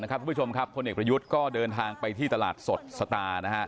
คุณผู้ชมครับพลเอกประยุทธ์ก็เดินทางไปที่ตลาดสดสตาร์